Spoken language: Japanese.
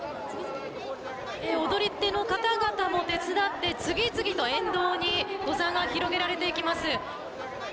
踊り手の方々も手伝って次々と沿道にゴザが広げられていきます。